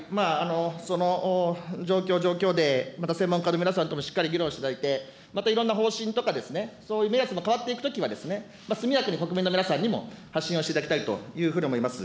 その状況状況で、また専門家の皆さんともしっかり議論していただいて、またいろんな方針とかですね、そういう目安も変わっていくときは速やかに国民の皆さんにも発信をしていただきたいというふうに思います。